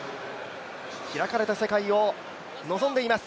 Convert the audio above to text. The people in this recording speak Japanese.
開かれた世界を望んでいます。